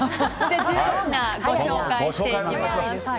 １５品、ご紹介していきます。